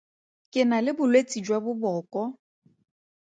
Ke na le bolwetse jwa boboko.